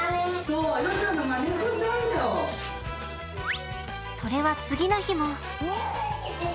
それは次の日も。